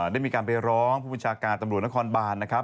ได้มีการไปร้องผู้บัญชาการตำรวจนครบานนะครับ